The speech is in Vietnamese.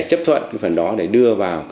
chấp thuận phần đó để đưa vào